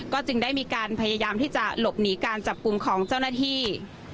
จึงได้มีการพยายามที่จะหลบหนีการจับกลุ่มของเจ้าหน้าที่